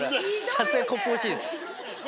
さすがにコップ欲しいです。